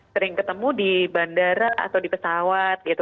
sering ketemu di bandara atau di pesawat gitu